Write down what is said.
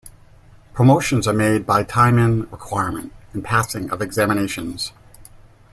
Promotions are made by time-in requirement and passing of examinations.